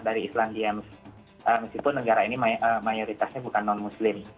dari islandia meskipun negara ini mayoritasnya bukan non muslim